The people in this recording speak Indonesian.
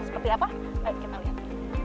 seperti apa kita lihat